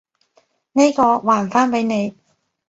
呢個，還返畀你！